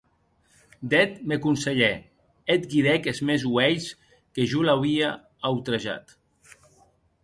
D’eth me conselhè, eth guidèc es mèns uelhs que jo l’auia autrejat.